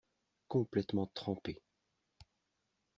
Complètement trempé.